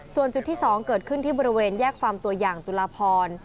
ส่วนจุดที่๒เกิดขึ้นที่บริเวณแยกฟาร์มตัวอย่างจุลาพร